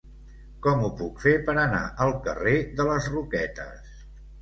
Com ho puc fer per anar al carrer de les Roquetes?